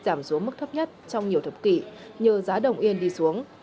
giảm xuống mức thấp nhất trong nhiều thập kỷ nhờ giá đồng yên đi xuống